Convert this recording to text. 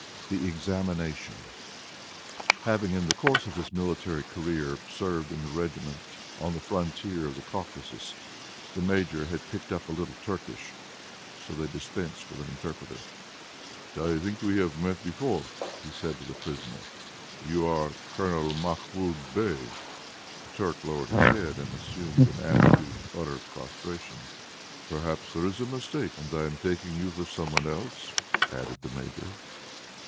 THE EXAMINATION Having, in the course of his military career, served in the regiment on the frontier of the Caucasus, the Major had picked up a little Turkish. So they dispensed with an interpreter. "I think we have met before?" he said to the prisoner. "You are Colonel Mahmoud Bey?" The Turk lowered his head, and assumed an attitude of utter prostration. "Perhaps there is a mistake, and I am taking you for some one else?" added the Major.